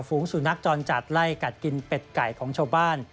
สุนัขจรจัดไล่กัดกินเป็ดไก่ของชาวบ้าน